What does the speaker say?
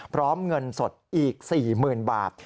พร้อมเงินสดอีก๔หมื่นบาท